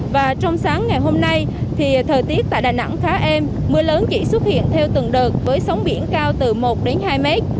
và trong sáng ngày hôm nay thì thời tiết tại đà nẵng khá êm mưa lớn chỉ xuất hiện theo từng đợt với sóng biển cao từ một đến hai mét